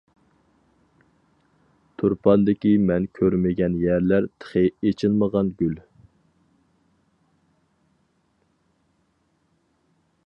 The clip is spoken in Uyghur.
تۇرپاندىكى مەن كۆرمىگەن يەرلەر تېخى ئېچىلمىغان گۈل.